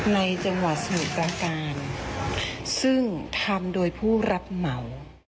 ในจังหวัดสมุทรประการซึ่งทำโดยผู้รับเหมา